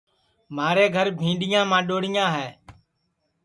مھارے گھر بھِینڈؔیاں ماڈؔوڑیاں ہے